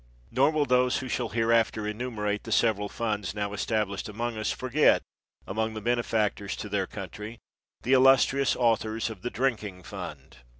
Nor will those who shall here after enumerate the several funds now estab lished among us, forget, among the benefactors to their country, the illustrious authors of the Drinking Fund.